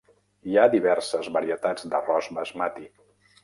Hi ha diverses varietats d'arròs basmati.